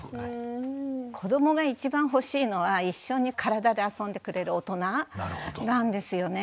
子どもが一番欲しいのは一緒に体で遊んでくれる大人なんですよね。